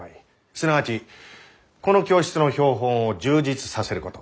すなわちこの教室の標本を充実させること。